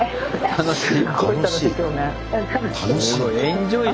楽しいか。